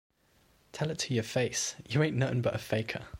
Tell it to your face, you ain't nuttin but a faker!